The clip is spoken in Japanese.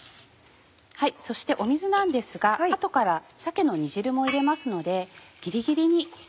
そして水なんですが後から鮭の煮汁も入れますので。